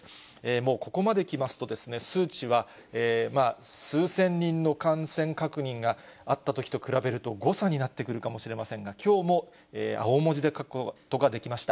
もうここまで来ますと、数値は数千人の感染確認があったときと比べると誤差になってくるかもしれませんが、きょうも青文字で書くことができました。